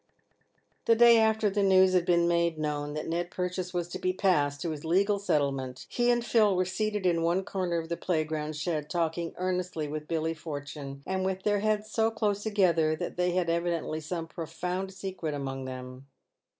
The day after the news had been made known that Ned Purchase was to be passed to his legal settlement, he and Phil were seated in one corner of the playground shed talking earnestly with Billy Fortune, and with their heads so close together that they had evi dently some profound secret among them.